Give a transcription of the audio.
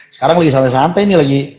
sekarang lagi santai santai nih lagi